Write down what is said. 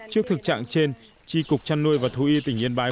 trước thực trạng trên tri cục chăn nuôi và thú y tỉnh yên bái